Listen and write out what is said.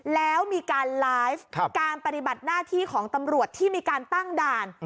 แล้วมีการไลฟ์การปฏิบัติหน้าที่ของตำรวจที่มีการตั้งด่าน